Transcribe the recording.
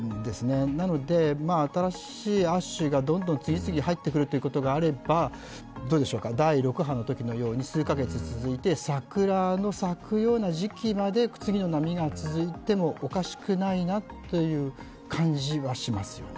なので、新しい亜種がどんどん次々入ってくるということがあれば、第６波のときのように数か月続いて、桜が咲くような時季まで次の波が続いてもおかしくないなという感じはしますよね。